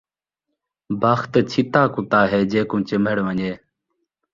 بخت چھتا کتا ہے جینکوں چمبڑ ونڄے